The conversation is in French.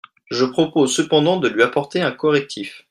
Je propose cependant de lui apporter un correctif.